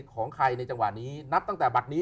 ของใครในจังหวะนี้นับตั้งแต่บัตรนี้